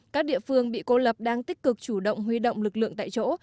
các địa phương bị cô lập đang tích cực chủ động huy động lực lượng tại chỗ